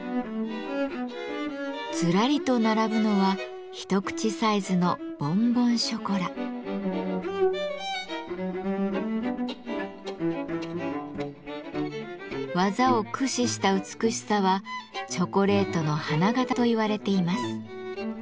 ずらりと並ぶのは一口サイズの技を駆使した美しさはチョコレートの花形と言われています。